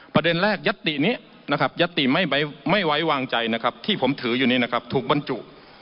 ประเด็นแรกยัตตินี้นะครับยัตติไม่ไว้วางใจนะครับที่ผมถืออยู่นี้นะครับถูกบรรจุ